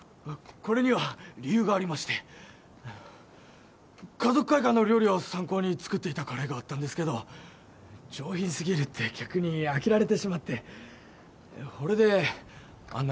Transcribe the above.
これには理由がありまして華族会館の料理を参考に作ってたカレエがあったんですけど上品すぎるって客に飽きられてしまってほれであんな